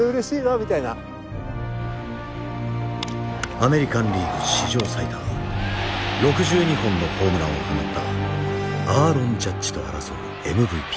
アメリカンリーグ史上最多６２本のホームランを放ったアーロン・ジャッジと争うＭＶＰ。